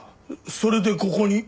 それでここに？